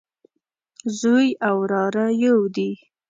زوی او وراره يودي